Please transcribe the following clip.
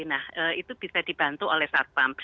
nah itu bisa dibantu oleh satpam